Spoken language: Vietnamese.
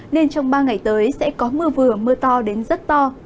nên trong ba ngày tới sẽ có mưa vừa mưa to đến rất to